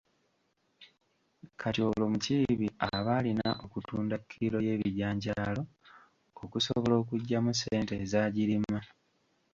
Kati olwo Mukiibi aba alina okutunda kilo y’ebijanjaalo okusobola okuggyamu ssente ezaagirima.